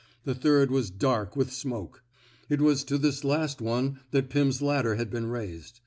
The third was dark with smoke. It was to this last one that Pim's ladder had been raised.